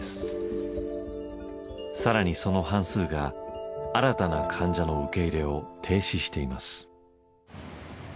さらにその半数が新たな患者の受け入れを停止しています。